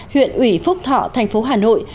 huyện ủy phúc thọ tp hà nội